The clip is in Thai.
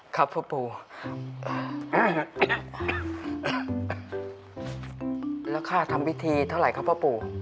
ครับพ่อปู